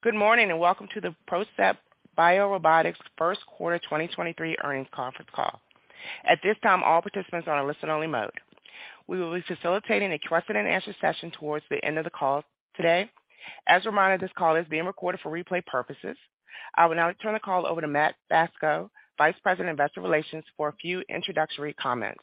Good morning, welcome to the PROCEPT BioRobotics 1st quarter 2023 earnings conference call. At this time, all participants are on a listen-only mode. We will be facilitating a question and answer session towards the end of the call today. As a reminder, this call is being recorded for replay purposes. I will now turn the call over to Matt Bacso, Vice President, investor relations, for a few introductory comments.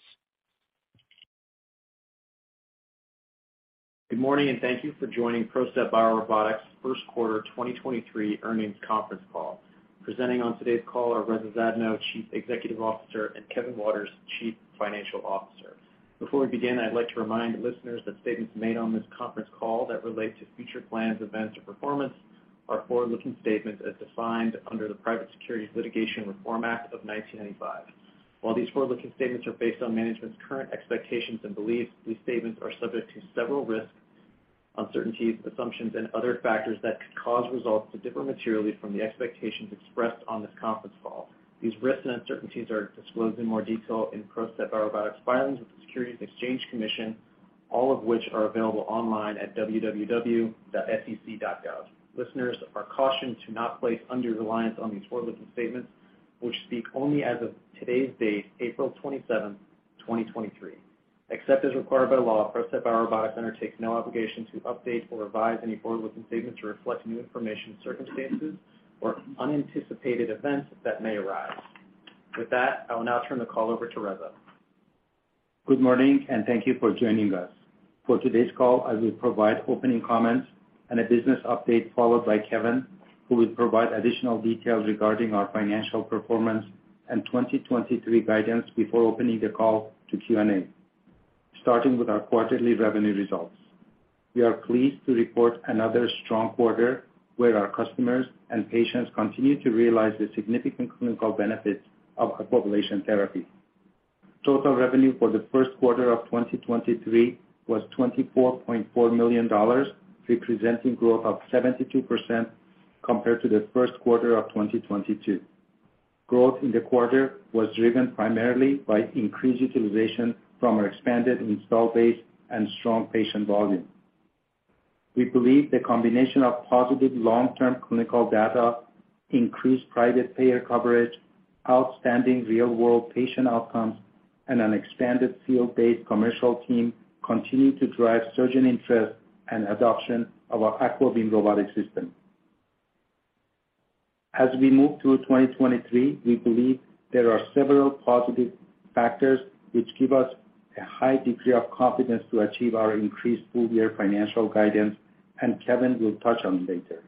Good morning, thank you for joining PROCEPT BioRobotics first quarter 2023 earnings conference call. Presenting on today's call are Reza Zadno, Chief Executive Officer, and Kevin Waters, Chief Financial Officer. Before we begin, I'd like to remind listeners that statements made on this conference call that relate to future plans, events, or performance are forward-looking statements as defined under the Private Securities Litigation Reform Act of 1995. While these forward-looking statements are based on management's current expectations and beliefs, these statements are subject to several risks, uncertainties, assumptions, and other factors that could cause results to differ materially from the expectations expressed on this conference call. These risks and uncertainties are disclosed in more detail in PROCEPT BioRobotics' filings with the Securities and Exchange Commission, all of which are available online at www.sec.gov. Listeners are cautioned to not place undue reliance on these forward-looking statements, which speak only as of today's date, April 27th, 2023. Except as required by law, PROCEPT BioRobotics undertakes no obligation to update or revise any forward-looking statements to reflect new information, circumstances, or unanticipated events that may arise. With that, I will now turn the call over to Reza. Good morning. Thank you for joining us. For today's call, I will provide opening comments and a business update, followed by Kevin, who will provide additional details regarding our financial performance and 2023 guidance before opening the call to Q&A. Starting with our quarterly revenue results. We are pleased to report another strong quarter where our customers and patients continue to realize the significant clinical benefits of Aquablation therapy. Total revenue for the first quarter of 2023 was $24.4 million, representing growth of 72% compared to the first quarter of 2022. Growth in the quarter was driven primarily by increased utilization from our expanded install base and strong patient volume. We believe the combination of positive long-term clinical data, increased private payer coverage, outstanding real-world patient outcomes, and an expanded field-based commercial team continue to drive surgeon interest and adoption of our AquaBeam robotic system. As we move through 2023, we believe there are several positive factors which give us a high degree of confidence to achieve our increased full-year financial guidance, and Kevin will touch on later.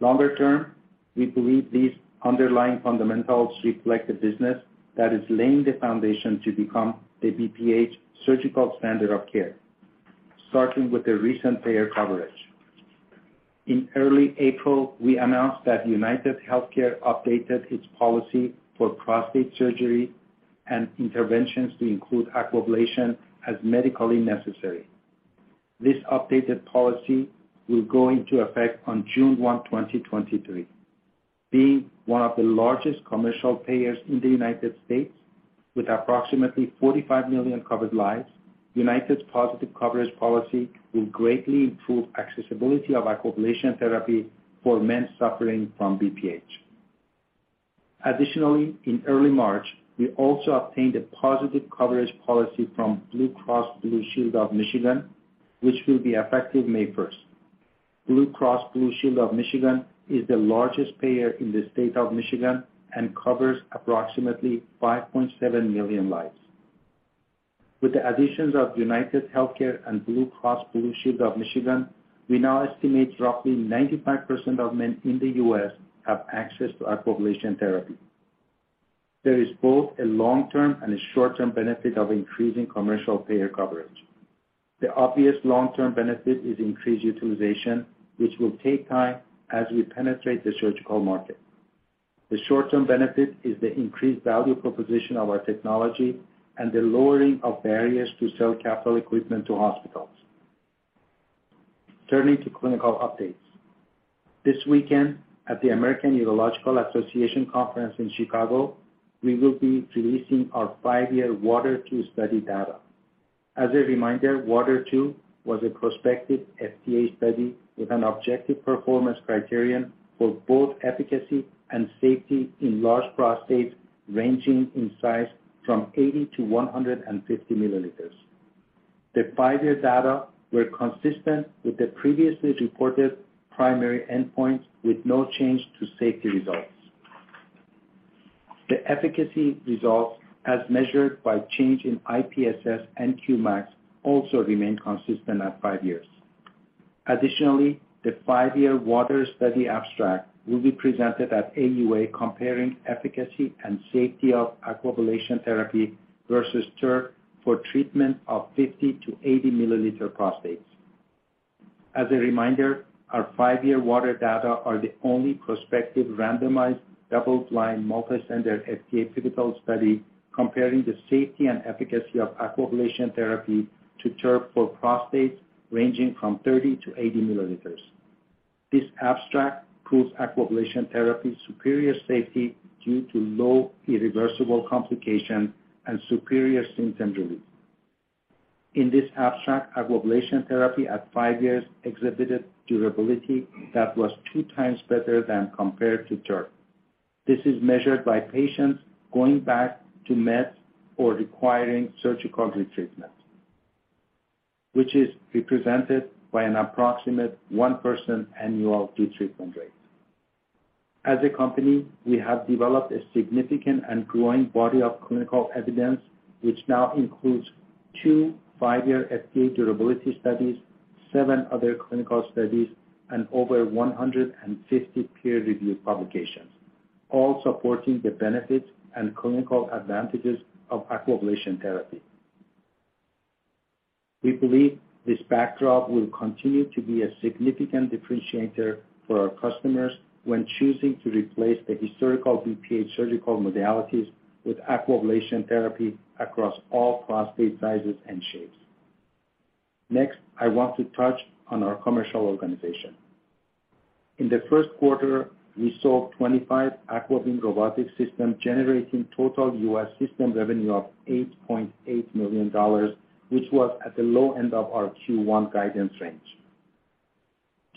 Longer term, we believe these underlying fundamentals reflect a business that is laying the foundation to become the BPH surgical standard of care, starting with the recent payer coverage. In early April, we announced that UnitedHealthcare updated its policy for prostate surgery and interventions to include Aquablation as medically necessary. This updated policy will go into effect on June 1st, 2023. Being one of the largest commercial payers in the U.S., with approximately 45 million covered lives, United's positive coverage policy will greatly improve accessibility of Aquablation therapy for men suffering from BPH. In early March, we also obtained a positive coverage policy from Blue Cross Blue Shield of Michigan, which will be effective May 1st. Blue Cross Blue Shield of Michigan is the largest payer in the state of Michigan and covers approximately 5.7 million lives. With the additions of UnitedHealthcare and Blue Cross Blue Shield of Michigan, we now estimate roughly 95% of men in the U.S. have access to Aquablation therapy. There is both a long-term and a short-term benefit of increasing commercial payer coverage. The obvious long-term benefit is increased utilization, which will take time as we penetrate the surgical market. The short-term benefit is the increased value proposition of our technology and the lowering of barriers to sell capital equipment to hospitals. Turning to clinical updates. This weekend, at the American Urological Association Conference in Chicago, we will be releasing our 5-year WATER II study data. As a reminder, WATER II was a prospective FDA study with an Objective Performance Criterion for both efficacy and safety in large prostates ranging in size from 80-150 milliliters. The 5-year data were consistent with the previously reported primary endpoint, with no change to safety results. The efficacy results, as measured by change in IPSS and Qmax, also remain consistent at 5 years. Additionally, the 5-year WATER study abstract will be presented at AUA, comparing efficacy and safety of Aquablation therapy versus TURP for treatment of 50-80-milliliter prostates. As a reminder, our 5-year WATER data are the only prospective randomized double-blind multicenter FDA pivotal study comparing the safety and efficacy of Aquablation therapy to TURP for prostates ranging from 30 to 80 milliliters. This abstract proves Aquablation therapy's superior safety due to low irreversible complication and superior symptom relief. In this abstract, Aquablation therapy at 5 years exhibited durability that was 2 times better than compared to TURP. This is measured by patients going back to meds or requiring surgical retreatment, which is represented by an approximate 1 person annual retreatment rate. As a company, we have developed a significant and growing body of clinical evidence, which now includes 2 5-year FDA durability studies, seven other clinical studies, and over 150 peer-reviewed publications, all supporting the benefits and clinical advantages of Aquablation therapy. We believe this backdrop will continue to be a significant differentiator for our customers when choosing to replace the historical BPH surgical modalities with Aquablation therapy across all prostate sizes and shapes. I want to touch on our commercial organization. In the first quarter, we sold 25 AquaBeam robotic system, generating total U.S. system revenue of $8.8 million, which was at the low end of our Q1 guidance range.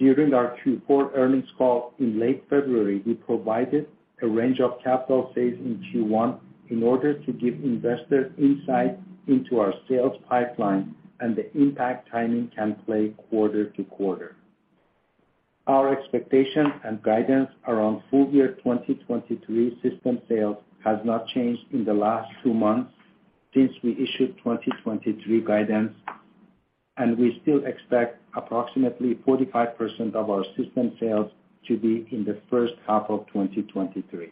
During our Q4 earnings call in late February, we provided a range of capital fees in Q1 in order to give investors insight into our sales pipeline and the impact timing can play quarter-over-quarter. Our expectations and guidance around full year 2023 system sales has not changed in the last 2 months since we issued 2023 guidance. We still expect approximately 45% of our system sales to be in the first half of 2023.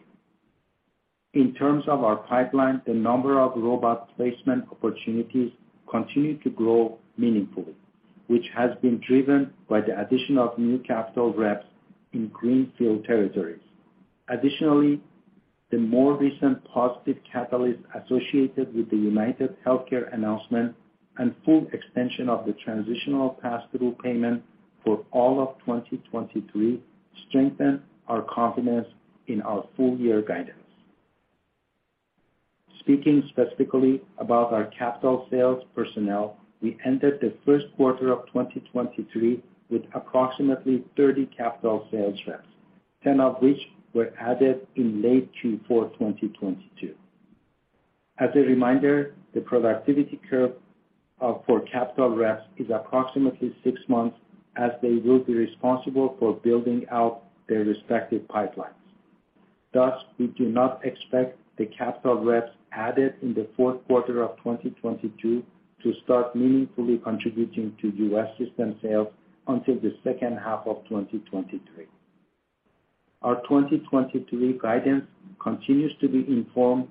In terms of our pipeline, the number of robot placement opportunities continue to grow meaningfully, which has been driven by the addition of new capital reps in greenfield territories. Additionally, the more recent positive catalyst associated with the UnitedHealthcare announcement and full extension of the transitional pass-through payment for all of 2023 strengthen our confidence in our full year guidance. Speaking specifically about our capital sales personnel, we ended the first quarter of 2023 with approximately 30 capital sales reps, 10 of which were added in late Q4 2022. As a reminder, the productivity curve for capital reps is approximately six months as they will be responsible for building out their respective pipelines. We do not expect the capital reps added in the fourth quarter of 2022 to start meaningfully contributing to U.S. system sales until the second half of 2023. Our 2023 guidance continues to be informed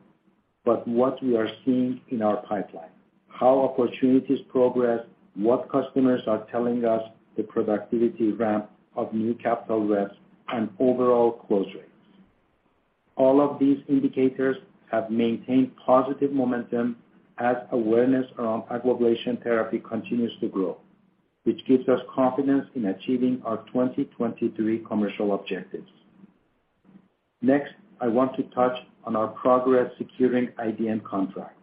by what we are seeing in our pipeline, how opportunities progress, what customers are telling us, the productivity ramp of new capital reps, and overall close rates. All of these indicators have maintained positive momentum as awareness around Aquablation therapy continues to grow, which gives us confidence in achieving our 2023 commercial objectives. I want to touch on our progress securing IDN contracts.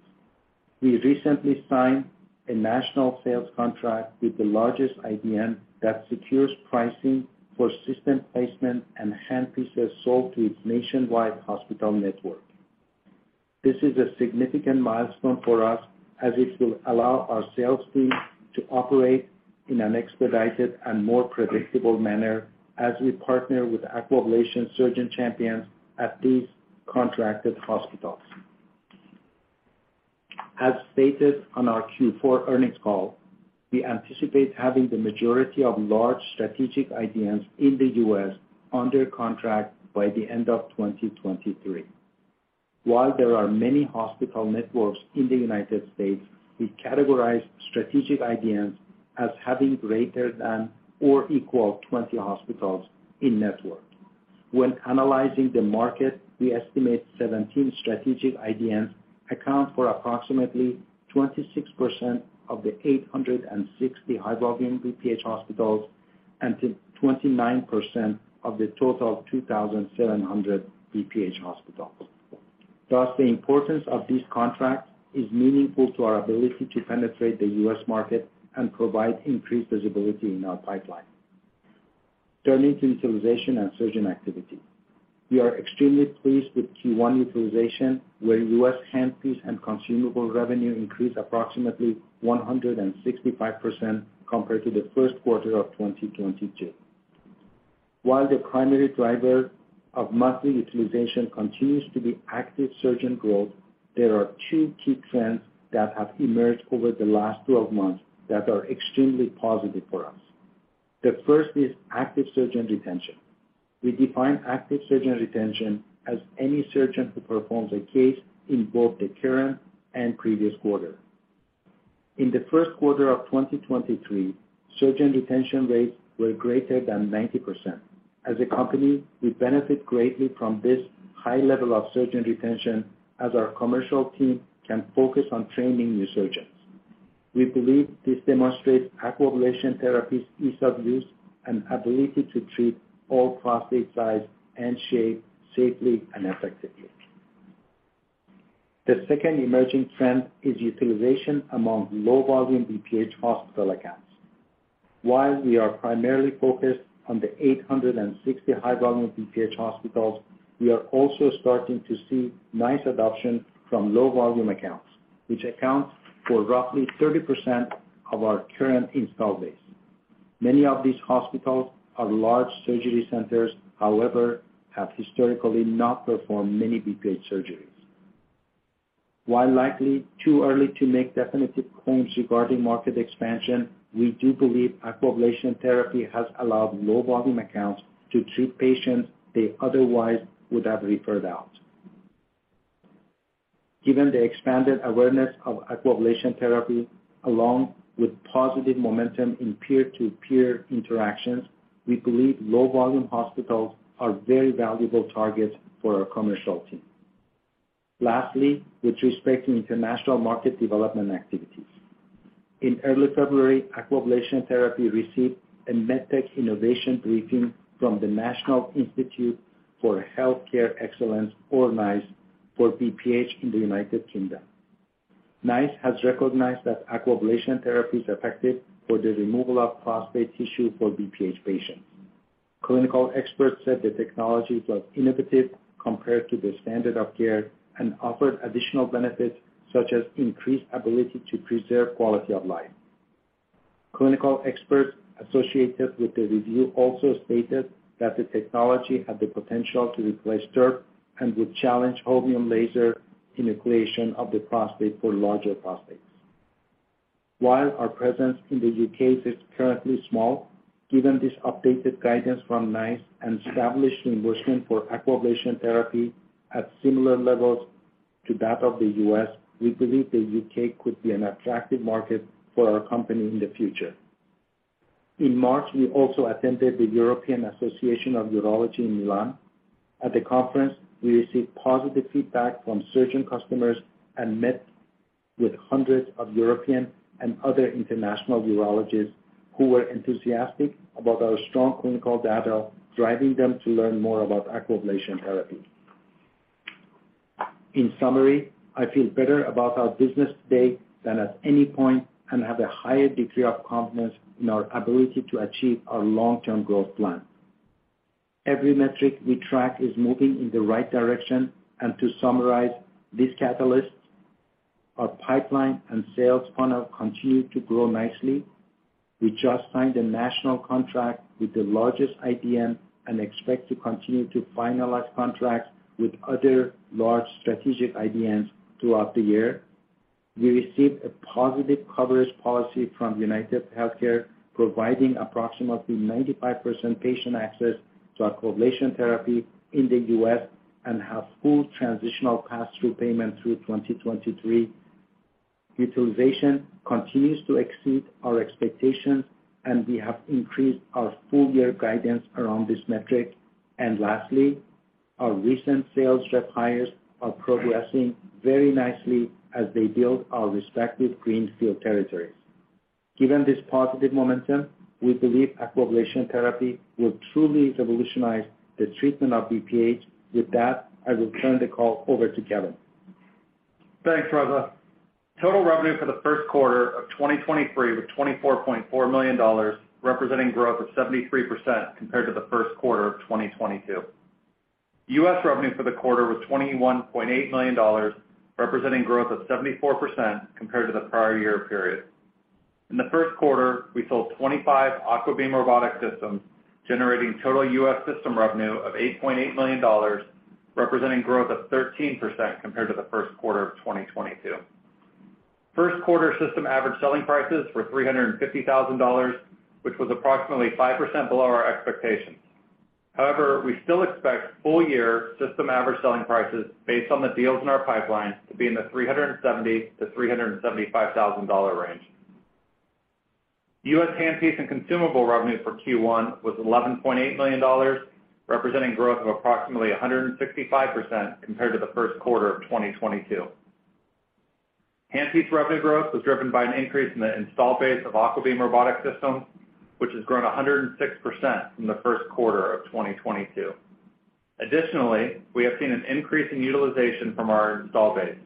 We recently signed a national sales contract with the largest IDN that secures pricing for system placement and handpieces sold to its Nationwide hospital network. This is a significant milestone for us, as it will allow our sales team to operate in an expedited and more predictable manner as we partner with Aquablation surgeon champions at these contracted hospitals. As stated on our Q4 earnings call, we anticipate having the majority of large strategic IDNs in the U.S. under contract by the end of 2023. While there are many hospital networks in the United States, we categorize strategic IDNs as having greater than or equal 20 hospitals in-network. When analyzing the market, we estimate 17 strategic IDNs account for approximately 26% of the 860 high-volume BPH hospitals and 29% of the total of 2,700 BPH hospitals. The importance of this contract is meaningful to our ability to penetrate the U.S. market and provide increased visibility in our pipeline. Turning to utilization and surgeon activity. We are extremely pleased with Q1 utilization, where U.S. handpiece and consumable revenue increased approximately 165% compared to the first quarter of 2022. While the primary driver of monthly utilization continues to be active surgeon growth, there are two key trends that have emerged over the last 12 months that are extremely positive for us. The first is active surgeon retention. We define active surgeon retention as any surgeon who performs a case in both the current and previous quarter. In the first quarter of 2023, surgeon retention rates were greater than 90%. As a company, we benefit greatly from this high level of surgeon retention as our commercial team can focus on training new surgeons. We believe this demonstrates Aquablation therapy's ease of use and ability to treat all prostate size and shape safely and effectively. The second emerging trend is utilization among low-volume BPH hospital accounts. While we are primarily focused on the 860 high-volume BPH hospitals, we are also starting to see nice adoption from low-volume accounts, which accounts for roughly 30% of our current install base. Many of these hospitals are large surgery centers, however, have historically not performed many BPH surgeries. While likely too early to make definitive claims regarding market expansion, we do believe Aquablation Therapy has allowed low-volume accounts to treat patients they otherwise would have referred out. Given the expanded awareness of Aquablation Therapy, along with positive momentum in peer-to-peer interactions, we believe low-volume hospitals are very valuable targets for our commercial team. Lastly, with respect to international market development activities. In early February, Aquablation Therapy received a MedTech Innovation Briefing from the National Institute for Health and CARE Excellence, or NICE, for BPH in the United Kingdom. NICE has recognized that Aquablation Therapy is effective for the removal of prostate tissue for BPH patients. Clinical experts said the technologies was innovative compared to the standard of care and offered additional benefits, such as increased ability to preserve quality of life. Clinical experts associated with the review also stated that the technology had the potential to replace TURP and would challenge Holmium laser in the creation of the prostate for larger prostates. While our presence in the U.K. is currently small, given this updated guidance from NICE and established reimbursement for Aquablation Therapy at similar levels to that of the U.S., we believe the U.K. could be an attractive market for our company in the future. In March, we also attended the European Association of Urology in Milan. At the conference, we received positive feedback from surgeon customers and met with hundreds of European and other international urologists who were enthusiastic about our strong clinical data, driving them to learn more about Aquablation Therapy. In summary, I feel better about our business today than at any point and have a higher degree of confidence in our ability to achieve our long-term growth plan. Every metric we track is moving in the right direction. To summarize these catalysts, our pipeline and sales funnel continue to grow nicely. We just signed a national contract with the largest IDN and expect to continue to finalize contracts with other large strategic IDNs throughout the year. We received a positive coverage policy from UnitedHealthcare, providing approximately 95% patient access to Aquablation Therapy in the U.S. and have full transitional pass-through payment through 2023. Utilization continues to exceed our expectations, and we have increased our full year guidance around this metric. Lastly, our recent sales rep hires are progressing very nicely as they build our respective green field territories. Given this positive momentum, we believe Aquablation Therapy will truly revolutionize the treatment of BPH. With that, I will turn the call over to Kevin. Thanks, Reza. Total revenue for the first quarter of 2023 was $24.4 million, representing growth of 73% compared to the first quarter of 2022. U.S. revenue for the quarter was $21.8 million, representing growth of 74% compared to the prior year period. In the first quarter, we sold 25 AquaBeam robotic systems, generating total U.S. system revenue of $8.8 million, representing growth of 13% compared to the first quarter of 2022. First quarter system average selling prices were $350,000, which was approximately 5% below our expectations. However, we still expect full year system average selling prices based on the deals in our pipeline to be in the $370,000-$375,000 range. U.S. handpiece and consumable revenue for Q1 was $11.8 million, representing growth of approximately 165% compared to the first quarter of 2022. Handpiece revenue growth was driven by an increase in the install base of AquaBeam robotic systems, which has grown 106% from the first quarter of 2022. We have seen an increase in utilization from our install base.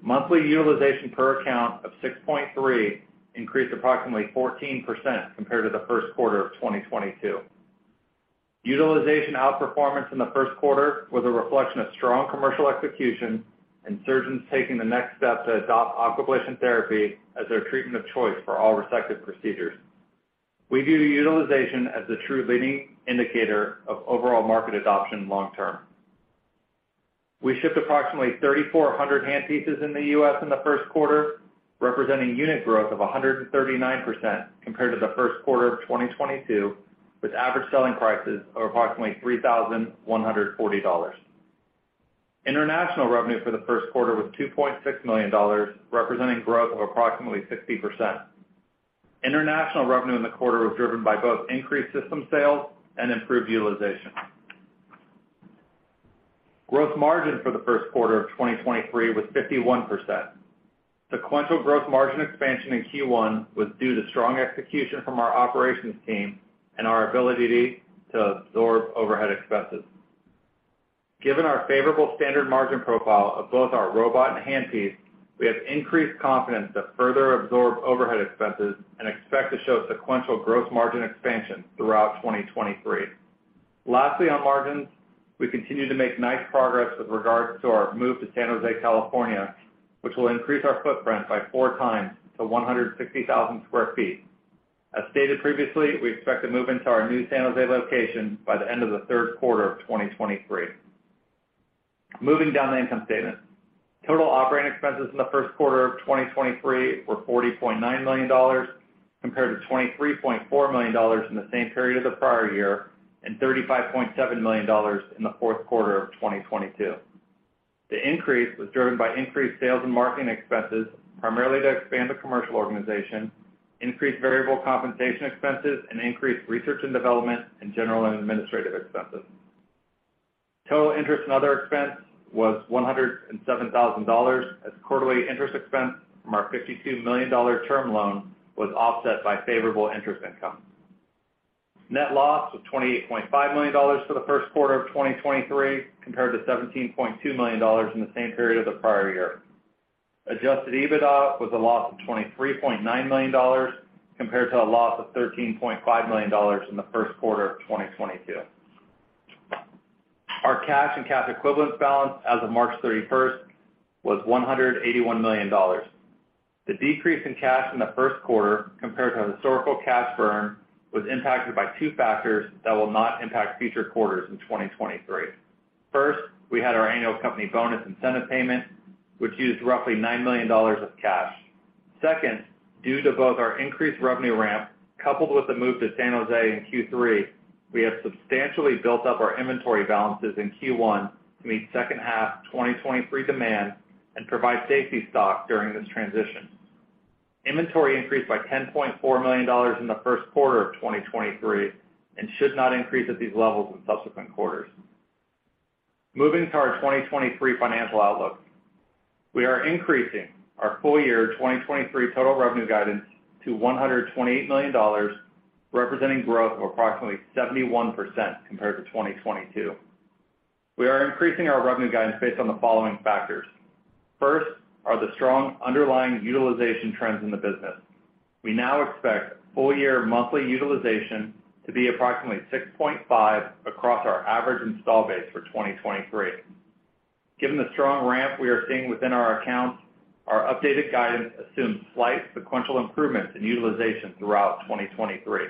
Monthly utilization per account of 6.3 increased approximately 14% compared to the first quarter of 2022. Utilization outperformance in the first quarter was a reflection of strong commercial execution and surgeons taking the next step to adopt Aquablation therapy as their treatment of choice for all resective procedures. We view the utilization as the true leading indicator of overall market adoption long term. We shipped approximately 3,400 handpieces in the U.S. in the first quarter, representing unit growth of 139% compared to the first quarter of 2022, with average selling prices of approximately $3,140. International revenue for the first quarter was $2.6 million, representing growth of approximately 60%. International revenue in the quarter was driven by both increased system sales and improved utilization. Gross margin for the first quarter of 2023 was 51%. Sequential gross margin expansion in Q1 was due to strong execution from our operations team and our ability to absorb overhead expenses. Given our favorable standard margin profile of both our robot and handpiece, we have increased confidence to further absorb overhead expenses and expect to show sequential gross margin expansion throughout 2023. Lastly, on margins, we continue to make nice progress with regards to our move to San Jose, California, which will increase our footprint by 4 times to 160,000 sq ft. As stated previously, we expect to move into our new San Jose location by the end of the 3rd quarter of 2023. Moving down the income statement. Total operating expenses in the 1st quarter of 2023 were $40.9 million compared to $23.4 million in the same period of the prior year, and $35.7 million in the 4th quarter of 2022. The increase was driven by increased sales and marketing expenses, primarily to expand the commercial organization, increased variable compensation expenses, and increased research and development and general and administrative expenses. Total interest and other expense was $107,000 as quarterly interest expense from our $52 million term loan was offset by favorable interest income. Net loss was $28.5 million for the first quarter of 2023, compared to $17.2 million in the same period of the prior year. Adjusted EBITDA was a loss of $23.9 million, compared to a loss of $13.5 million in the first quarter of 2022. Our cash and cash equivalents balance as of March 31st was $181 million. The decrease in cash in the first quarter compared to historical cash burn was impacted by two factors that will not impact future quarters in 2023. First, we had our annual company bonus incentive payment, which used roughly $9 million of cash. Second, due to both our increased revenue ramp coupled with the move to San Jose in Q3, we have substantially built up our inventory balances in Q1 to meet second half 2023 demand and provide safety stock during this transition. Inventory increased by $10.4 million in the first quarter of 2023 and should not increase at these levels in subsequent quarters. Moving to our 2023 financial outlook. We are increasing our full year 2023 total revenue guidance to $128 million, representing growth of approximately 71% compared to 2022. First are the strong underlying utilization trends in the business. We now expect full year monthly utilization to be approximately 6.5 across our average install base for 2023. Given the strong ramp we are seeing within our accounts, our updated guidance assumes slight sequential improvements in utilization throughout 2023.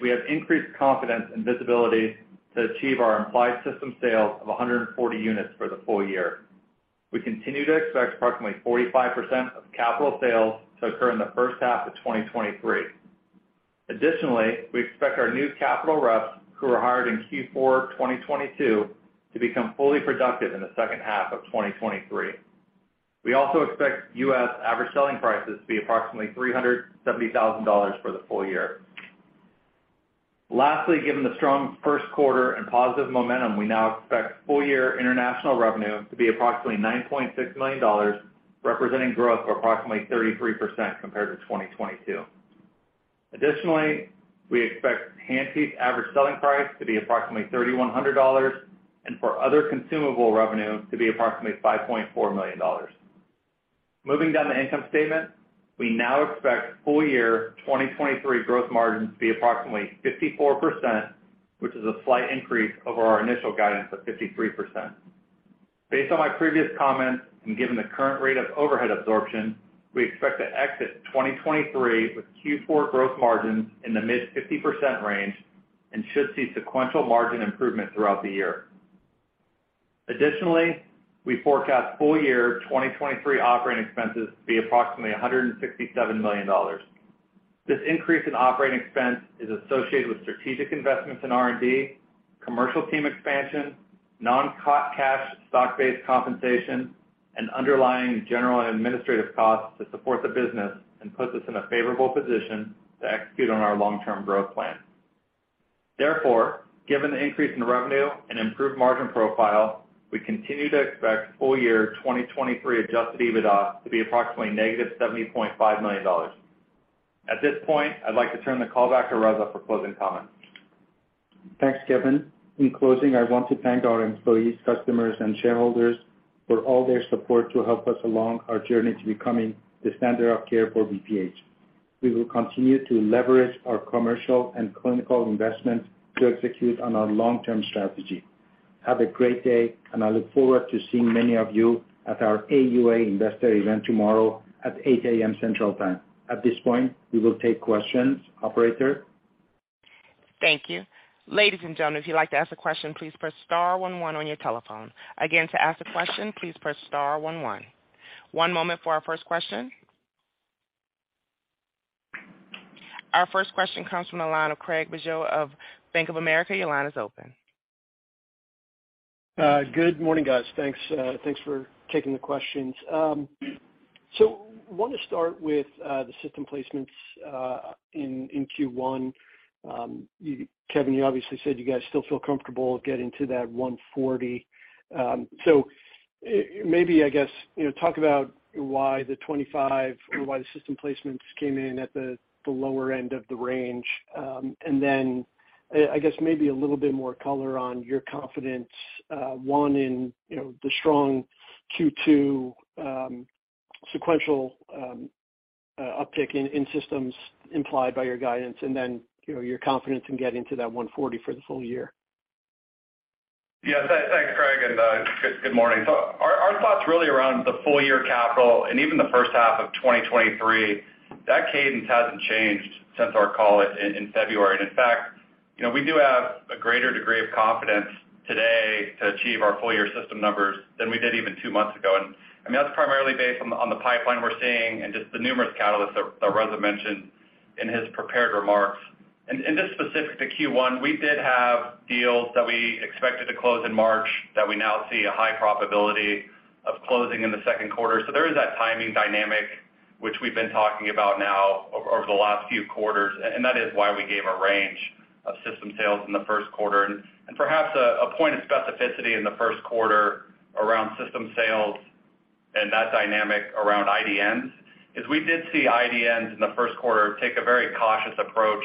We have increased confidence and visibility to achieve our implied system sales of 140 units for the full year. We continue to expect approximately 45% of capital sales to occur in the first half of 2023. We expect our new capital reps, who were hired in Q4 2022, to become fully productive in the second half of 2023. We also expect U.S. average selling prices to be approximately $370,000 for the full year. Given the strong first quarter and positive momentum, we now expect full year international revenue to be approximately $9.6 million, representing growth of approximately 33% compared to 2022. Additionally, we expect handpiece average selling price to be approximately $3,100. For other consumable revenue to be approximately $5.4 million. Moving down the income statement, we now expect full year 2023 growth margins to be approximately 54%, which is a slight increase over our initial guidance of 53%. Based on my previous comments and given the current rate of overhead absorption, we expect to exit 2023 with Q4 growth margins in the mid-50% range and should see sequential margin improvement throughout the year. Additionally, we forecast full year 2023 operating expenses to be approximately $167 million. This increase in operating expense is associated with strategic investments in R&D, commercial team expansion, non-cash stock-based compensation, and underlying general and administrative costs to support the business and put us in a favorable position to execute on our long-term growth plan. Given the increase in revenue and improved margin profile, we continue to expect full year 2023 adjusted EBITDA to be approximately negative $70.5 million. At this point, I'd like to turn the call back to Reza for closing comments. Thanks, Kevin. In closing, I want to thank our employees, customers, and shareholders for all their support to help us along our journey to becoming the standard of care for BPH. We will continue to leverage our commercial and clinical investments to execute on our long-term strategy. Have a great day, and I look forward to seeing many of you at our AUA investor event tomorrow at 8:00 A.M. Central Time. At this point, we will take questions. Operator? Thank you. Ladies and gentlemen, if you'd like to ask a question, please press star one one on your telephone. Again, to ask a question, please press star one one. One moment for our first question. Our first question comes from the line of Craig Bijou of Bank of America. Your line is open. Good morning, guys. Thanks, thanks for taking the questions. Want to start with the system placements in Q1. Kevin, you obviously said you guys still feel comfortable getting to that 140. Maybe, I guess, you know, talk about why the 25 or why the system placements came in at the lower end of the range. I guess maybe a little bit more color on your confidence, one in, you know, the strong Q2 sequential uptick in systems implied by your guidance and then, you know, your confidence in getting to that 140 for this whole year. Yeah. Thanks, Craig, and good morning. Our thoughts really around the full year capital and even the first half of 2023, that cadence hasn't changed since our call in February. In fact, you know, we do have a greater degree of confidence today to achieve our full year system numbers than we did even two months ago. I mean, that's primarily based on the pipeline we're seeing and just the numerous catalysts that Reza mentioned in his prepared remarks. Just specific to Q1, we did have deals that we expected to close in March that we now see a high probability of closing in the second quarter. There is that timing dynamic, which we've been talking about now over the last few quarters, and that is why we gave a range of system sales in the first quarter. Perhaps a point of specificity in the first quarter around system sales and that dynamic around IDNs is we did see IDNs in the first quarter take a very cautious approach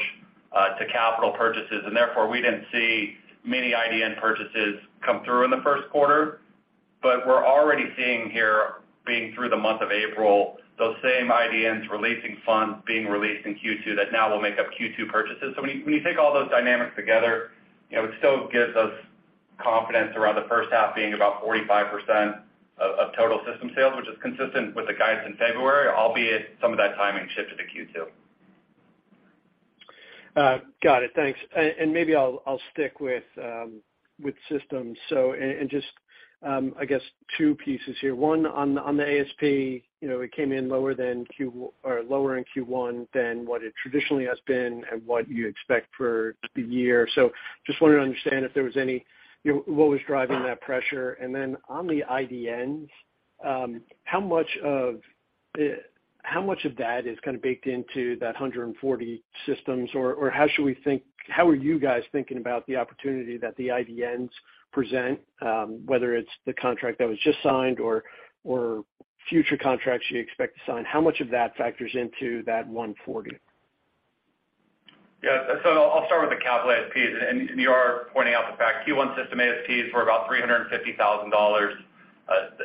to capital purchases, and therefore, we didn't see many IDN purchases come through in the first quarter. We're already seeing here, being through the month of April, those same IDNs releasing funds being released in Q2 that now will make up Q2 purchases. When you take all those dynamics together, you know, it still gives us confidence around the first half being about 45% of total system sales, which is consistent with the guidance in February, albeit some of that timing shifted to Q2. Got it. Thanks. Maybe I'll stick with systems. Just, I guess two pieces here. One, on the ASP, you know, it came in lower in Q1 than what it traditionally has been and what you expect for the year. Just wanted to understand if there was any. You know, what was driving that pressure. Then on the IDNs, how much of that is kind of baked into that 140 systems? Or how are you guys thinking about the opportunity that the IDNs present, whether it's the contract that was just signed or future contracts you expect to sign? How much of that factors into that 140? Yeah. I'll start with the capital ASPs. You are pointing out the fact Q1 system ASPs were about $350,000.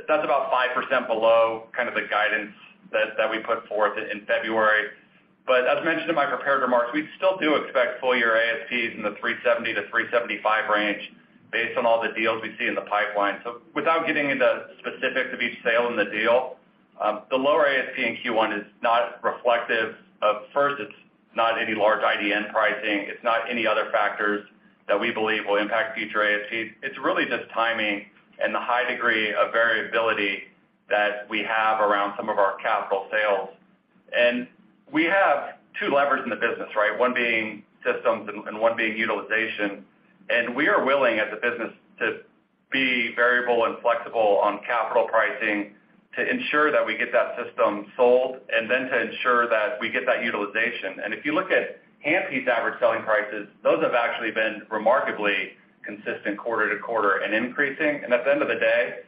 That's about 5% below kind of the guidance that we put forth in February. As mentioned in my prepared remarks, we still do expect full year ASPs in the $370,000-$375,000 range based on all the deals we see in the pipeline. Without getting into specifics of each sale in the deal, the lower ASP in Q1 is not reflective of... First, it's not any large IDN pricing. It's not any other factors that we believe will impact future ASPs. It's really just timing and the high degree of variability that we have around some of our capital sales. We have two levers in the business, right? One being systems and one being utilization. We are willing, as a business, to be variable and flexible on capital pricing to ensure that we get that system sold and then to ensure that we get that utilization. If you look at AMP's average selling prices, those have actually been remarkably consistent quarter-to-quarter and increasing. At the end of the day,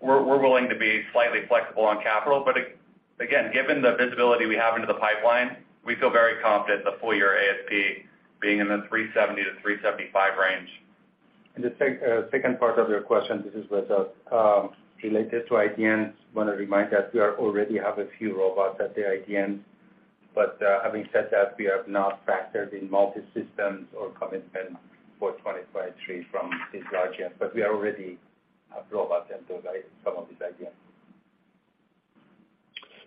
we're willing to be slightly flexible on capital. Again, given the visibility we have into the pipeline, we feel very confident the full year ASP being in the $370-$375 range. The second part of your question, this is Reza. Related to IDNs, want to remind that we are already have a few robots at the IDNs. Having said that, we have not factored in multi-systems or commitment for 2023 from these IDNs. We already have robots in those, some of these IDNs.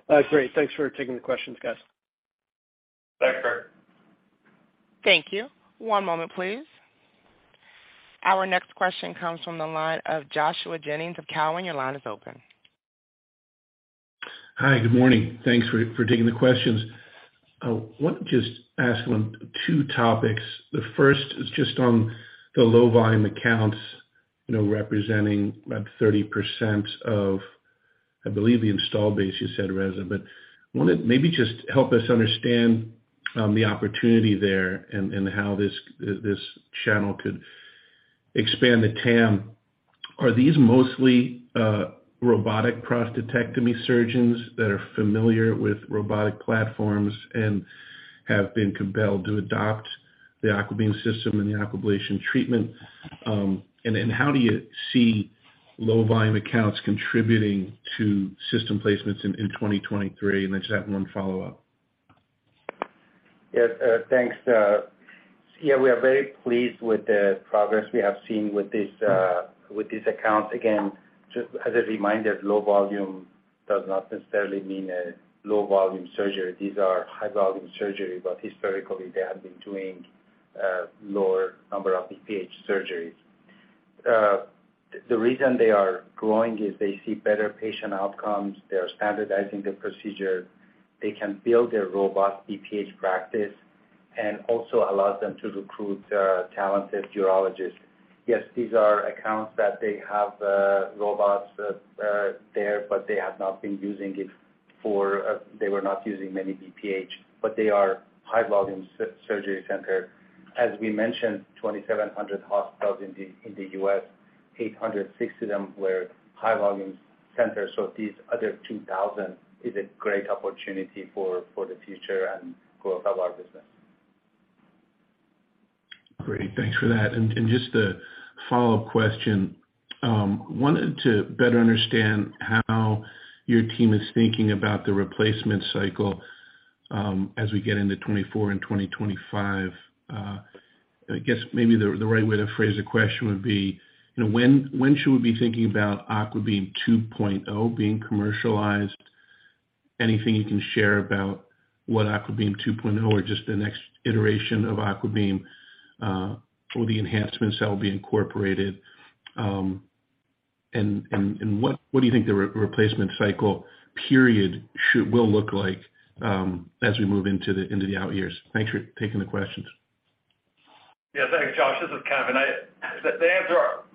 That's great. Thanks for taking the questions, guys. Thanks, Craig. Thank you. One moment, please. Our next question comes from the line of Joshua Jennings of Cowen. Your line is open. Hi. Good morning. Thanks for taking the questions. Want to just ask on two topics. The first is just on the low volume accounts, you know, representing about 30% of, I believe, the install base you said, Reza. Wanted maybe just help us understand the opportunity there and how this channel could expand the TAM. Are these mostly robotic prostatectomy surgeons that are familiar with robotic platforms and have been compelled to adopt the AquaBeam system and the Aquablation treatment? Then how do you see low volume accounts contributing to system placements in 2023? I just have one follow-up. Yes. Thanks. Yeah, we are very pleased with the progress we have seen with these with these accounts. Again, just as a reminder, low volume does not necessarily mean a low volume surgery. These are high volume surgery, but historically they have been doing lower number of BPH surgeries. The reason they are growing is they see better patient outcomes. They are standardizing the procedure. They can build their robot BPH practice. Also allows them to recruit talented urologists. Yes, these are accounts that they have robots there, but they have not been using it for they were not using many BPH, but they are high-volume surgery center. As we mentioned, 2,700 hospitals in the, in the U.S., 860 of them were high-volume centers. These other 2,000 is a great opportunity for the future and growth of our business. Great. Thanks for that. Just a follow-up question. Wanted to better understand how your team is thinking about the replacement cycle as we get into 2024 and 2025. I guess maybe the right way to phrase the question would be, you know, when should we be thinking about AquaBeam 2.0 being commercialized? Anything you can share about what AquaBeam 2.0 or just the next iteration of AquaBeam or the enhancements that will be incorporated. What do you think the replacement cycle period will look like as we move into the out years? Thanks for taking the questions. Yeah. Thanks, Josh. This is Kevin.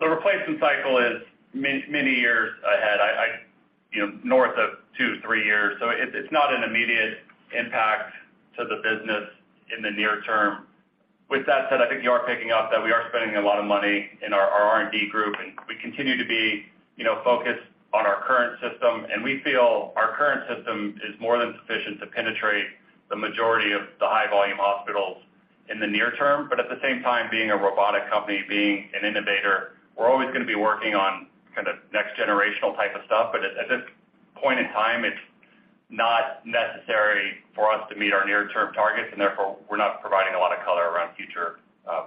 The replacement cycle is many, many years ahead. I, you know, north of 2, 3 years. It's not an immediate impact to the business in the near term. With that said, I think you are picking up that we are spending a lot of money in our R&D group, and we continue to be, you know, focused on our current system. We feel our current system is more than sufficient to penetrate the majority of the high-volume hospitals in the near term. At the same time, being a robotic company, being an innovator, we're always gonna be working on kind of next-generational type of stuff. At this point in time, it's not necessary for us to meet our near-term targets, and therefore we're not providing a lot of color around future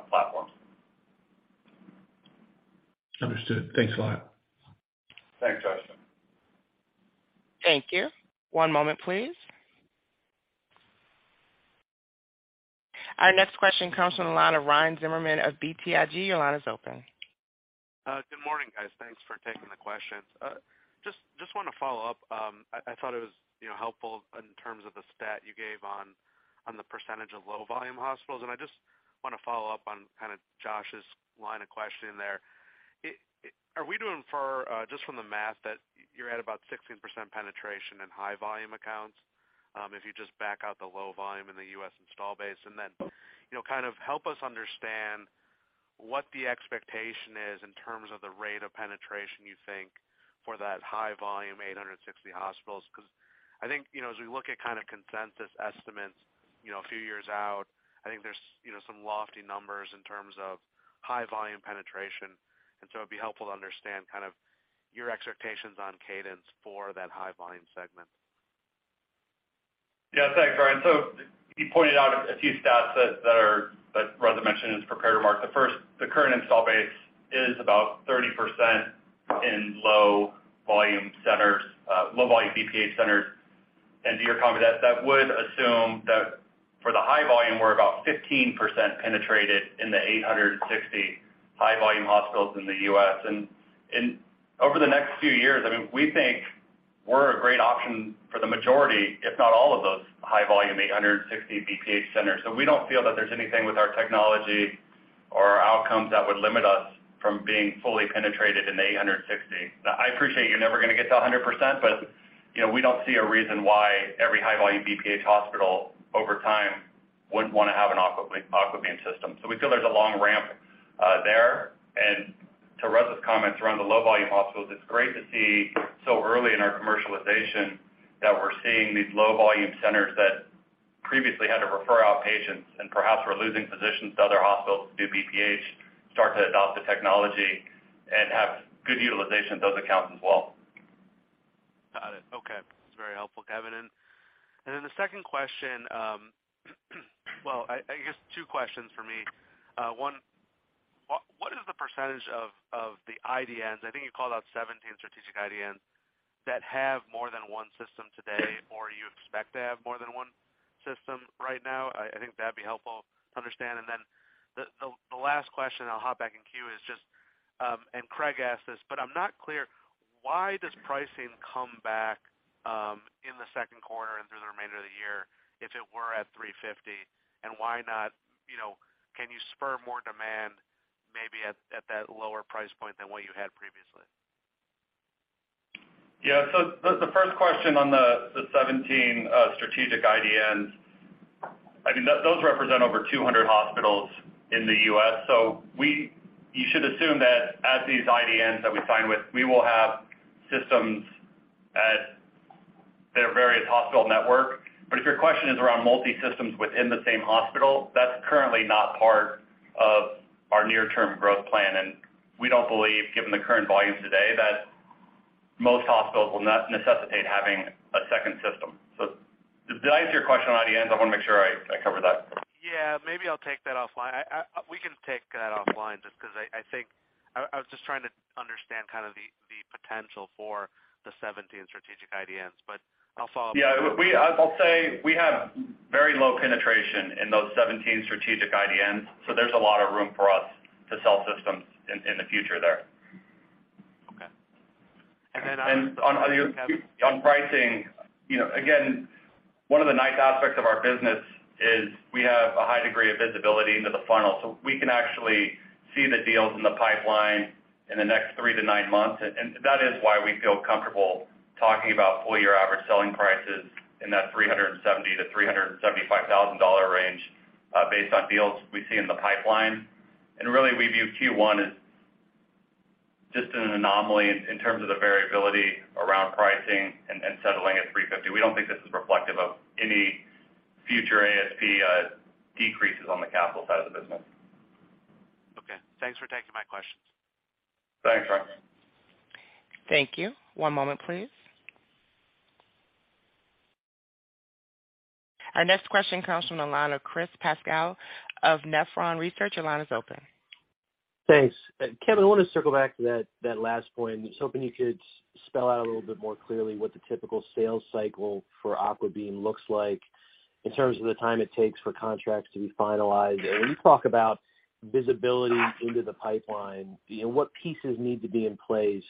platforms. Understood. Thanks a lot. Thanks, Josh. Thank you. One moment, please. Our next question comes from the line of Ryan Zimmerman of BTIG. Your line is open. Good morning, guys. Thanks for taking the questions. Just wanna follow up. I thought it was, you know, helpful in terms of the stat you gave on the percentage of low volume hospitals. I just wanna follow up on kind of Josh's line of questioning there. Are we doing for, just from the math that you're at about 16% penetration in high-volume accounts, if you just back out the low volume in the U.S. install base? You know, kind of help us understand what the expectation is in terms of the rate of penetration you think for that high volume 860 hospitals. I think, you know, as we look at kind of consensus estimates, you know, a few years out, I think there's, you know, some lofty numbers in terms of high volume penetration. It'd be helpful to understand kind of your expectations on cadence for that high volume segment. Yeah. Thanks, Ryan. You pointed out a few stats that Reza mentioned in his prepared remarks. The first, the current install base is about 30% in low volume centers, low volume BPH centers. To your comment, that would assume that for the high volume, we're about 15% penetrated in the 860 high volume hospitals in the U.S. Over the next few years, I mean, we think we're a great option for the majority, if not all of those high volume 860 BPH centers. We don't feel that there's anything with our technology or outcomes that would limit us from being fully penetrated in the 860. I appreciate you're never gonna get to 100%, but, you know, we don't see a reason why every high volume BPH hospital over time wouldn't wanna have an AquaBeam system. We feel there's a long ramp there. To Reza's comments around the low volume hospitals, it's great to see so early in our commercialization that we're seeing these low volume centers that previously had to refer out patients and perhaps were losing physicians to other hospitals to do BPH, start to adopt the technology and have good utilization of those accounts as well. Got it. Okay. That's very helpful, Kevin. Then the second question, well, I guess two questions for me. One, what is the percentage of the IDNs, I think you called out 17 strategic IDNs, that have more than one system today, or you expect to have more than one system right now? I think that'd be helpful to understand. The last question I'll hop back in queue is just, Craig asked this, but I'm not clear why does pricing come back in the second quarter and through the remainder of the year if it were at $350? Why not, you know, can you spur more demand maybe at that lower price point than what you had previously? Yeah. The first question on the 17 strategic IDNs, I mean, those represent over 200 hospitals in the U.S.. You should assume that as these IDNs that we sign with, we will have systems at their various hospital network. If your question is around multi-systems within the same hospital, that's currently not part of our near-term growth plan. We don't believe, given the current volumes today, that most hospitals will not necessitate having a second system. Did I answer your question on IDNs? I wanna make sure I covered that. Yeah. Maybe I'll take that offline. We can take that offline just 'cause I think I was just trying to understand kind of the potential for the 17 strategic IDNs. I'll follow up. Yeah. We have very low penetration in those 17 strategic IDNs, so there's a lot of room for us to sell systems in the future there. On pricing, you know, again, one of the nice aspects of our business is we have a high degree of visibility into the funnel, so we can actually see the deals in the pipeline in the next three to nine months. That is why we feel comfortable talking about full-year average selling prices in that $370,000-$375,000 range, based on deals we see in the pipeline. Really, we view Q1 as just an anomaly in terms of the variability around pricing and settling at $350,000. We don't think this is reflective of any future ASP decreases on the capital side of the business. Okay. Thanks for taking my questions. Thanks, Ryan. Thank you. One moment, please. Our next question comes from the line of Chris Pasquale of Nephron Research. Your line is open. Thanks. Kevin, I want to circle back to that last point. I was hoping you could spell out a little bit more clearly what the typical sales cycle for AquaBeam looks like in terms of the time it takes for contracts to be finalized. When you talk about visibility into the pipeline, you know, what pieces need to be in place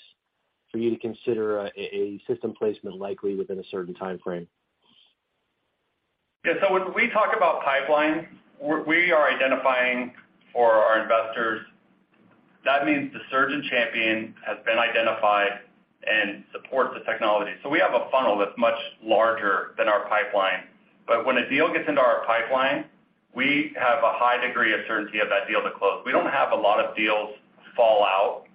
for you to consider a system placement likely within a certain timeframe? Yeah. When we talk about pipeline, we are identifying for our investors. That means the surgeon champion has been identified and supports the technology. We have a funnel that's much larger than our pipeline. When a deal gets into our pipeline, we have a high degree of certainty of that deal to close. We don't have a lot of deals fall out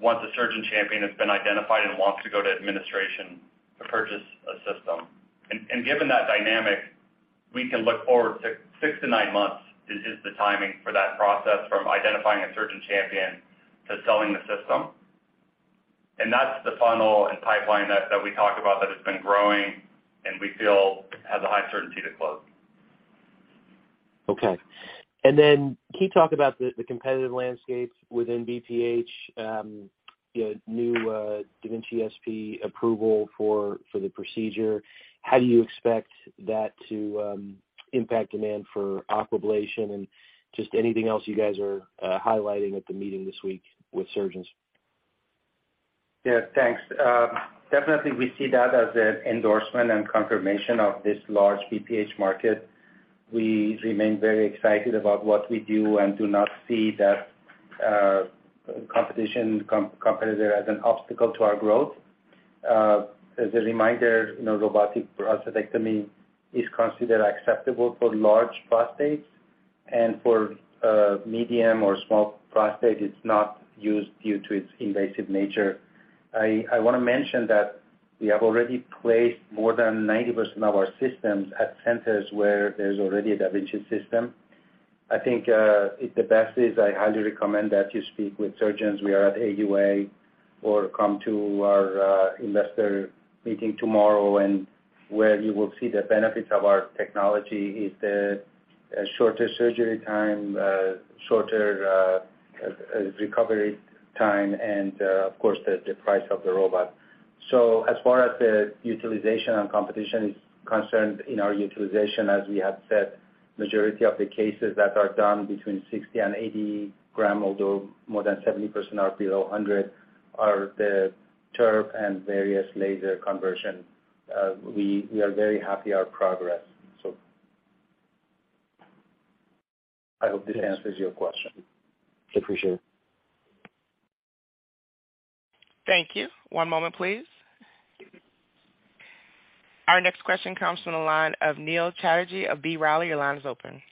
once a surgeon champion has been identified and wants to go to administration to purchase a system. And given that dynamic, we can look forward to six to nine months is the timing for that process from identifying a surgeon champion to selling the system. That's the funnel and pipeline that we talk about that has been growing, and we feel has a high certainty to close. Okay. Can you talk about the competitive landscape within BPH, you know, new da Vinci SP approval for the procedure? How do you expect that to impact demand for Aquablation? Just anything else you guys are highlighting at the meeting this week with surgeons. Yeah, thanks. Definitely, we see that as an endorsement and confirmation of this large BPH market. We remain very excited about what we do and do not see that, competitor as an obstacle to our growth. As a reminder, you know, robotic prostatectomy is considered acceptable for large prostates, and for, medium or small prostate, it's not used due to its invasive nature. I wanna mention that we have already placed more than 90% of our systems at centers where there's already a da Vinci system. I think, the best is I highly recommend that you speak with surgeons. We are at AUA or come to our investor meeting tomorrow and where you will see the benefits of our technology is the shorter surgery time, shorter recovery time, and of course, the price of the robot. As far as the utilization and competition is concerned in our utilization, as we have said, majority of the cases that are done between 60 and 80 gram, although more than 70% are below 100, are the TURP and various laser conversion. We are very happy our progress. I hope this answers your question. Appreciate it. Thank you. One moment, please. Our next question comes from the line of Neil Chatterji of B. Riley. Your line is open.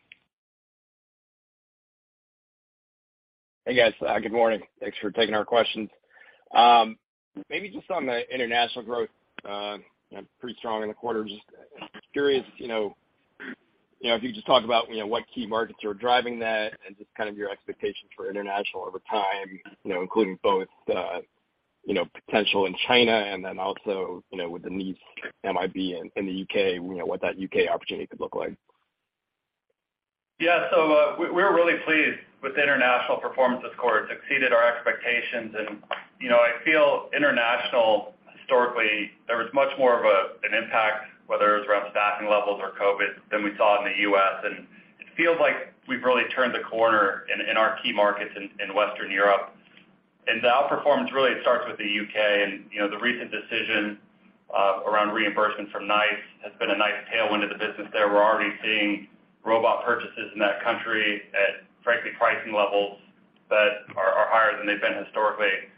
Hey, guys. Good morning. Thanks for taking our questions. Maybe just on the international growth, you know, pretty strong in the quarter. Just curious, you know, you know, if you could just talk about, you know, what key markets are driving that and just kind of your expectations for international over time, you know, including both, you know, potential in China, and then also, you know, with the NICE MIB in the U.K., you know, what that U.K. opportunity could look like? We're really pleased with the international performance this quarter. It exceeded our expectations. You know, I feel international historically, there was much more of an impact, whether it was around staffing levels or COVID than we saw in the U.S. It feels like we've really turned the corner in our key markets in Western Europe. The outperformance really starts with the U.K. You know, the recent decision around reimbursement from NICE has been a nice tailwind to the business there. We're already seeing robot purchases in that country at, frankly, pricing levels that are higher than they've been historically,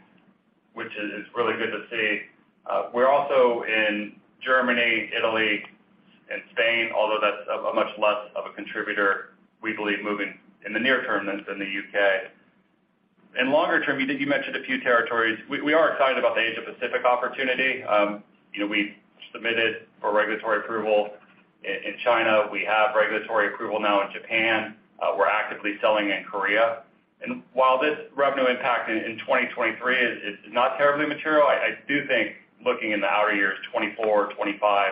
which is really good to see. We're also in Germany, Italy, and Spain, although that's a much less of a contributor, we believe, moving in the near term than the U.K. In longer term, you mentioned a few territories. We are excited about the Asia Pacific opportunity. You know, we submitted for regulatory approval in China. We have regulatory approval now in Japan. We're actively selling in Korea. While this revenue impact in 2023 is not terribly material, I do think looking in the outer years, 2024, 2025,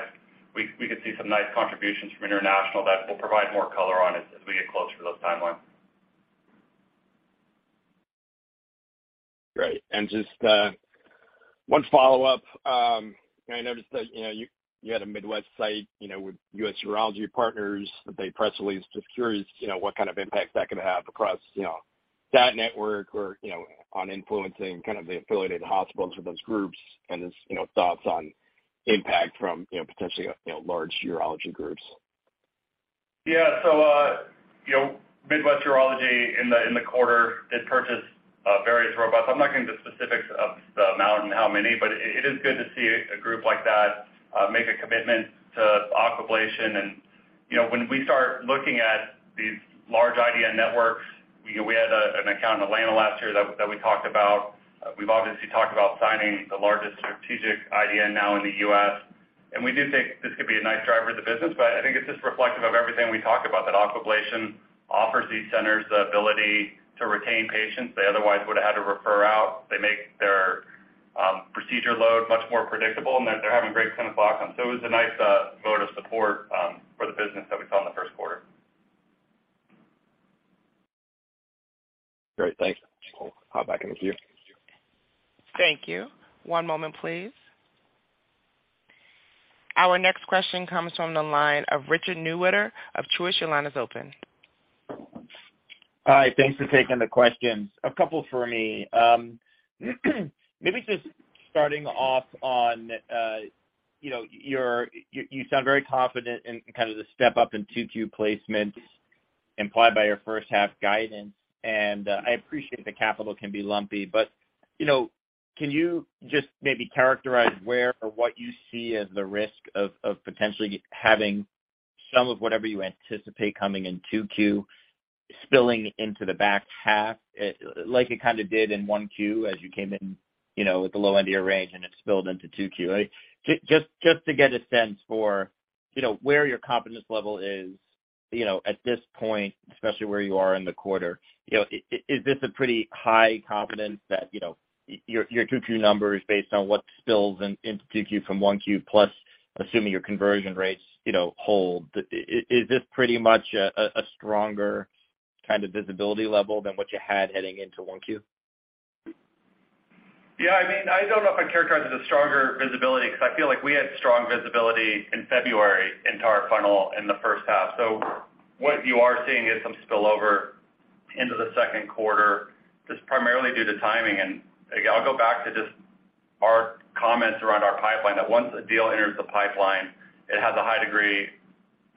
we could see some nice contributions from international that we'll provide more color on as we get closer to those timelines. Great. Just one follow-up. I noticed that, you know, you had a Midwest site, you know, with U.S. Urology Partners with a press release. Just curious, you know, what kind of impact that could have across that network or, you know, on influencing kind of the affiliated hospitals with those groups and his, you know, thoughts on impact from, you know, potentially, you know, large urology groups. Yeah. You know, Midwest Urology in the quarter did purchase various robots. I'm not getting into specifics of the amount and how many, it is good to see a group like that make a commitment to Aquablation. You know, when we start looking at these large IDN networks, we had an account in Atlanta last year that we talked about. We've obviously talked about signing the largest strategic IDN now in the U.S., we do think this could be a nice driver of the business. I think it's just reflective of everything we talked about, that Aquablation offers these centers the ability to retain patients they otherwise would've had to refer out. They make their procedure load much more predictable, they're having great clinic outcomes. It was a nice vote of support for the business that we saw in the first quarter. Great. Thanks. I'll hop back in the queue. Thank you. One moment, please. Our next question comes from the line of Richard Newitter of Truist. Your line is open. Hi. Thanks for taking the questions. A couple for me. Maybe just starting off on, you know, you sound very confident in kind of the step up in 2Q placements implied by your first half guidance. I appreciate the capital can be lumpy, but, you know, can you just maybe characterize where or what you see as the risk of potentially having some of whatever you anticipate coming in 2Q spilling into the back half, like it kind of did in 1Q as you came in, you know, at the low end of your range and it spilled into 2Q? Just to get a sense for, you know, where your confidence level is, you know, at this point, especially where you are in the quarter. You know, is this a pretty high confidence that, you know, your 2Q numbers based on what spills into 2Q from 1Q, plus assuming your conversion rates, you know, hold. Is this pretty much a stronger kind of visibility level than what you had heading into 1Q? Yeah, I mean, I don't know if I'd characterize it as stronger visibility because I feel like we had strong visibility in February into our funnel in the first half. What you are seeing is some spill over into the second quarter just primarily due to timing. Again, I'll go back to just our comments around our pipeline, that once a deal enters the pipeline, it has a high degree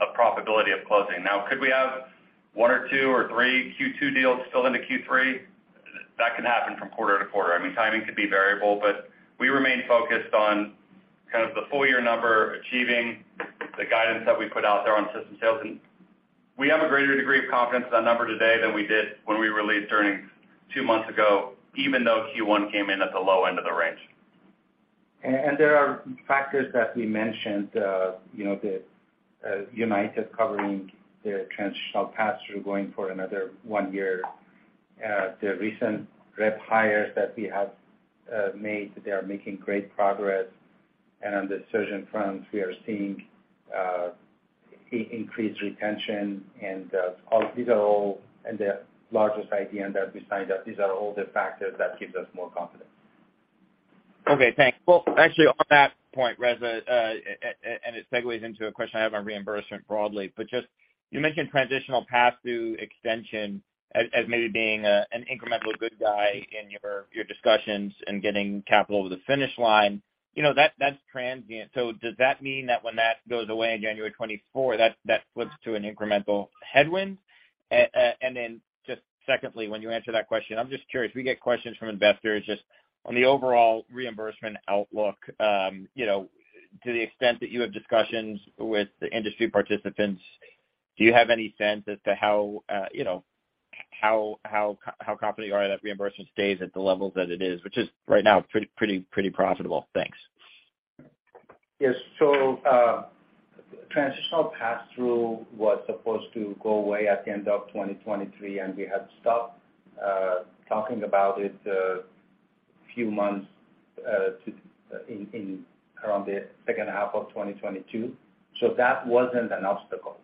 of profitability of closing. Could we have one or two or three Q2 deals spill into Q3? That can happen from quarter to quarter. I mean, timing could be variable, but we remain focused on kind of the full year number, achieving the guidance that we put out there on system sales. We have a greater degree of confidence in that number today than we did when we released earnings 2 months ago, even though Q1 came in at the low end of the range. There are factors that we mentioned, you know, the United covering the transitional pass-through going for another one year. The recent rep hires that we have made, they are making great progress. On the surgeon front, we are seeing increased retention and all these are all in the largest IDN that we signed up. These are all the factors that gives us more confidence. Okay, thanks. Well, actually, on that point, Reza, and it segues into a question I have on reimbursement broadly. Just you mentioned transitional pass-through extension as maybe being an incremental good guy in your discussions in getting capital over the finish line. You know, that's transient. Does that mean that when that goes away in January of 2024, that flips to an incremental headwind? Then just secondly, when you answer that question, I'm just curious, we get questions from investors just on the overall reimbursement outlook. You know, to the extent that you have discussions with the industry participants, do you have any sense as to how, you know, how confident you are that reimbursement stays at the levels that it is, which is right now pretty profitable? Thanks. Yes. Transitional pass-through was supposed to go away at the end of 2023, and we had stopped talking about it a few months in around the second half of 2022. That wasn't an obstacle.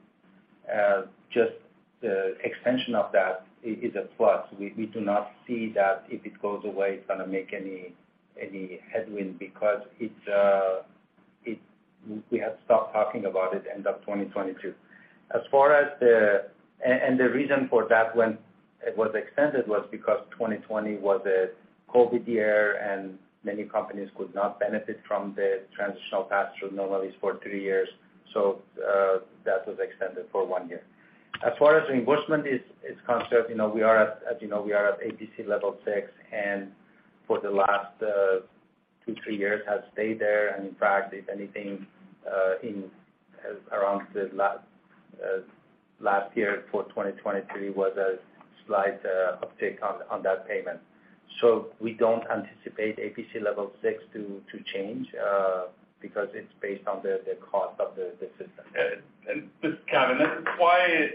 Just the extension of that is a plus. We do not see that if it goes away, it's gonna make any headwind because it's we had stopped talking about it end of 2022. As far as the reason for that when it was extended was because 2020 was a COVID year and many companies could not benefit from the transitional pass-through, normally it's for 3 years. That was extended for 1 year. As far as reimbursement is concerned, you know, we are at, as you know, we are at APC level 6, and for the last 2, 3 years has stayed there. In fact, if anything, in around the last year for 2023 was a slight uptick on that payment. We don't anticipate APC level 6 to change because it's based on the cost of the system. This is Kevin. This is why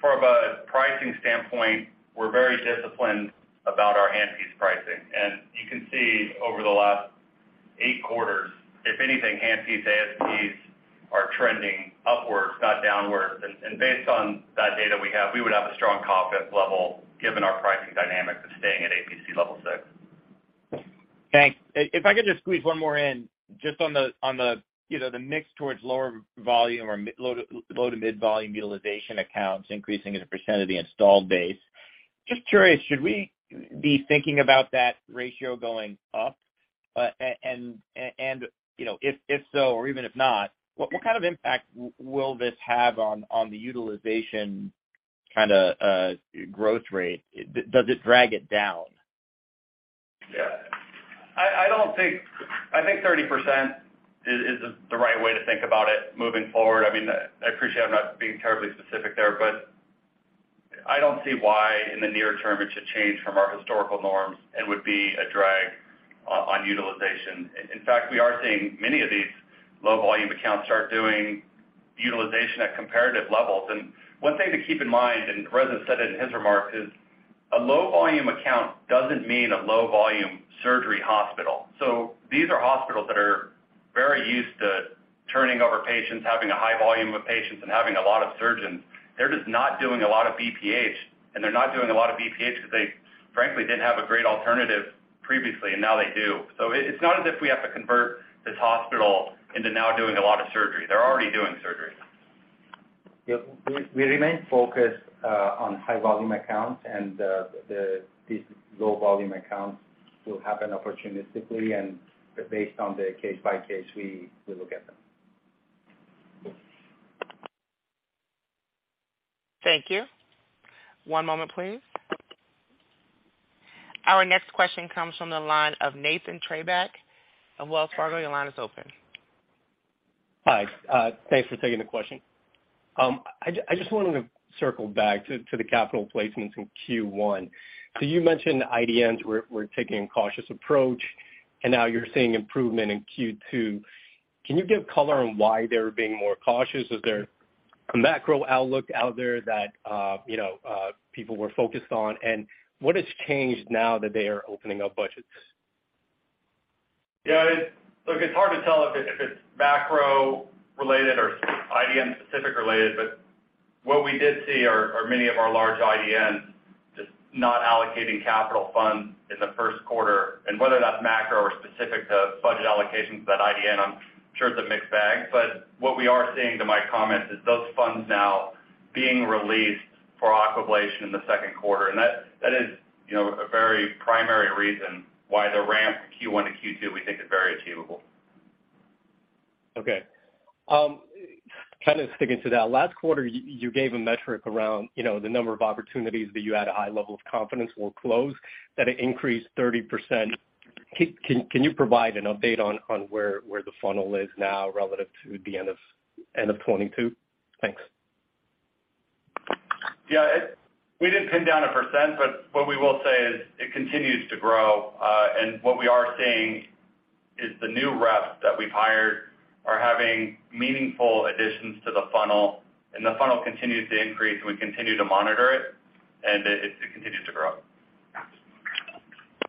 from a pricing standpoint, we're very disciplined about our handpiece pricing. You can see over the last eight quarters, if anything, handpiece ASPs are trending upwards, not downwards. Based on that data we have, we would have a strong confidence level given our pricing dynamics of staying at APC level six. Thanks. If I could just squeeze one more in just on the, you know, the mix towards lower volume or low to mid volume utilization accounts increasing as a % of the installed base. Just curious, should we be thinking about that ratio going up? You know, if so, or even if not, what kind of impact will this have on the utilization kinda growth rate? Does it drag it down? Yeah. I think 30% is the right way to think about it moving forward. I mean, I appreciate I'm not being terribly specific there, but I don't see why in the near term it should change from our historical norms and would be a drag on utilization. In fact, we are seeing many of these low volume accounts start doing utilization at comparative levels. One thing to keep in mind, and Reza said it in his remarks, is a low volume account doesn't mean a low volume surgery hospital. These are hospitals that are very used to turning over patients, having a high volume of patients, and having a lot of surgeons. They're just not doing a lot of BPH, and they're not doing a lot of BPH because they frankly didn't have a great alternative previously, and now they do. It's not as if we have to convert this hospital into now doing a lot of surgery. They're already doing surgery. Yeah. We remain focused on high volume accounts and these low volume accounts will happen opportunistically. Based on the case by case, we look at them. Thank you. One moment, please. Our next question comes from the line of Nathan Treybick of Wells Fargo. Your line is open. Hi. Thanks for taking the question. I just wanted to circle back to the capital placements in Q1. You mentioned IDNs were taking a cautious approach and now you're seeing improvement in Q2. Can you give color on why they're being more cautious? Is there a macro outlook out there that, you know, people were focused on? What has changed now that they are opening up budgets? Look, it's hard to tell if it's macro related or IDN specific related, but what we did see are many of our large IDNs just not allocating capital funds in the first quarter. Whether that's macro or specific to budget allocations to that IDN, I'm sure it's a mixed bag. What we are seeing to my comments is those funds now being released for Aquablation in the second quarter. That is, you know, a very primary reason why the ramp from Q1 to Q2 we think is very achievable. Okay. kind of sticking to that, last quarter you gave a metric around, you know, the number of opportunities that you had a high level of confidence will close, that it increased 30%. Can you provide an update on where the funnel is now relative to the end of 2022? Thanks. Yeah, We didn't pin down a %, but what we will say is it continues to grow. What we are seeing is the new reps that we've hired are having meaningful additions to the funnel, and the funnel continues to increase. We continue to monitor it continues to grow.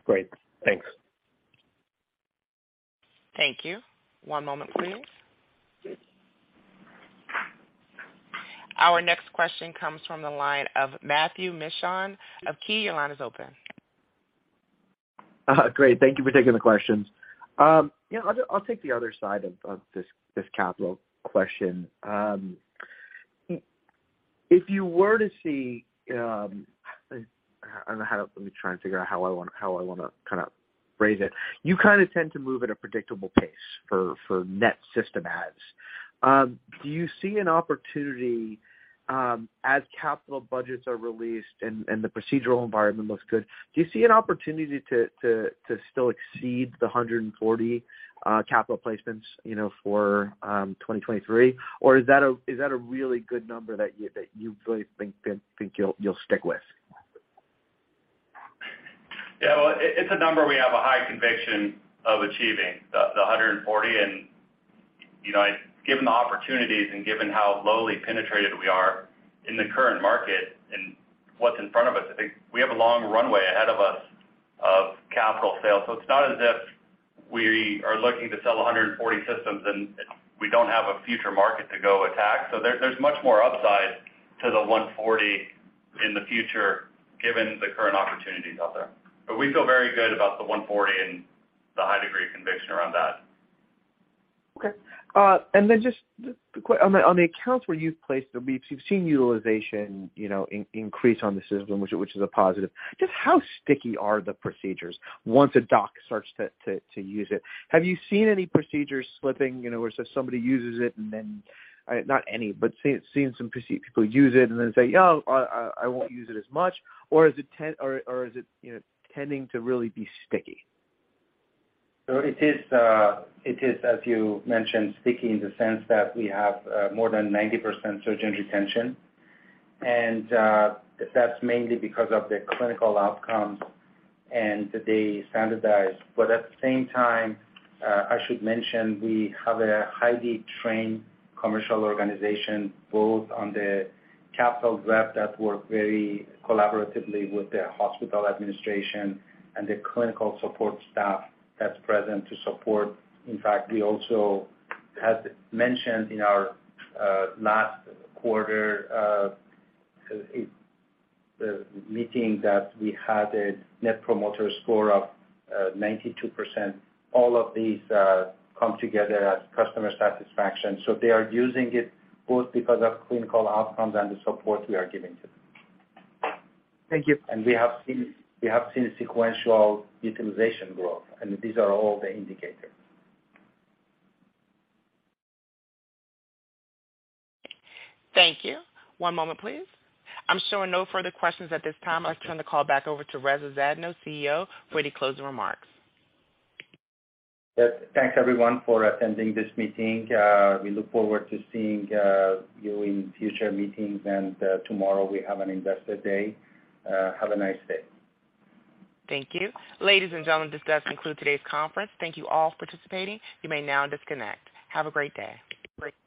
Great. Thanks. Thank you. One moment, please. Our next question comes from the line of Matthew Mishan of KeyBanc. Your line is open. Great. Thank you for taking the questions. Yeah, I'll take the other side of this capital question. You kinda tend to move at a predictable pace for net system adds. Do you see an opportunity, as capital budgets are released and the procedural environment looks good, do you see an opportunity to still exceed the 140 capital placements, you know, for 2023? Is that a really good number that you really think you'll stick with? Well, it's a number we have a high conviction of achieving, the 140. You know, given the opportunities and given how lowly penetrated we are in the current market and what's in front of us, I think we have a long runway ahead of us of capital sales. It's not as if we are looking to sell 140 systems, and we don't have a future market to go attack. There's much more upside to the 140 in the future given the current opportunities out there. We feel very good about the 140 and the high degree of conviction around that. Okay. On the accounts where you've placed, you've seen utilization, you know, increase on the system, which is a positive. Just how sticky are the procedures once a doc starts to use it? Have you seen any procedures slipping, you know, where somebody uses it and then, not any, but seeing some procedure people use it and then say, "Yeah, I won't use it as much," or is it, you know, tending to really be sticky? It is, as you mentioned, sticky in the sense that we have more than 90% surgeon retention. That's mainly because of the clinical outcomes and that they standardize. At the same time, I should mention we have a highly trained commercial organization, both on the capital rep that work very collaboratively with the hospital administration and the clinical support staff that's present to support. In fact, we also had mentioned in our last quarter, the meeting that we had a Net Promoter Score of 92%. All of these come together as customer satisfaction. They are using it both because of clinical outcomes and the support we are giving to them. Thank you. We have seen sequential utilization growth, and these are all the indicators. Thank you. One moment please. I'm showing no further questions at this time. I'll turn the call back over to Reza Zadno, CEO, for any closing remarks. Yes. Thanks everyone for attending this meeting. We look forward to seeing you in future meetings. Tomorrow we have an investor day. Have a nice day. Thank you. Ladies and gentlemen, this does conclude today's conference. Thank you all for participating. You may now disconnect. Have a great day. Great.